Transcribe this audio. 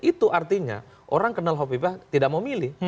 itu artinya orang kenal kofifa tidak mau memilih